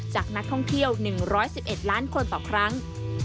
จากนักท่องเที่ยว๑๑๑ล้านคนต่อครั้ง